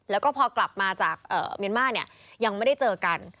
แล้วก็พอกลับมาจากเมียนมาร์เนี่ยยังไม่ได้เจอกัน